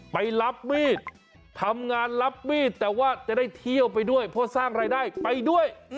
ไปรับมีดทำงานรับมีดแต่ว่าจะได้เที่ยวไปด้วยเพราะสร้างรายได้ไปด้วย